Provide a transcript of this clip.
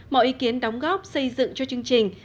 mọi ý kiến đóng góp xây dựng cho chương trình